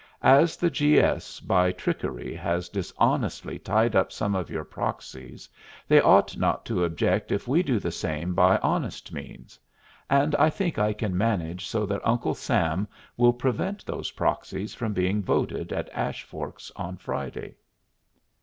"As the G. S. by trickery has dishonestly tied up some of your proxies, they ought not to object if we do the same by honest means; and I think I can manage so that Uncle Sam will prevent those proxies from being voted at Ash Forks on Friday."